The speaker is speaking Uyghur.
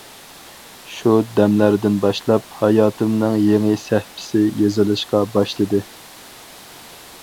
شۇ دەملەردىن باشلاپ، ھاياتىمنىڭ يېڭى سەھىپىسى يېزىلىشقا باشلىدى.